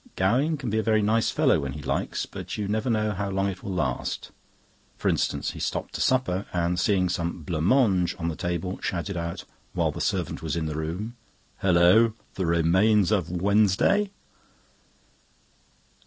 Gowing can be a very nice fellow when he likes, but you never know how long it will last. For instance, he stopped to supper, and seeing some blanc mange on the table, shouted out, while the servant was in the room: "Hulloh! The remains of Wednesday?"